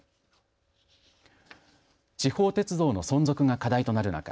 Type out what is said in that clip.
地方鉄道の存続が課題となる中